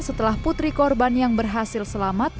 setelah putri korban yang berhasil selamat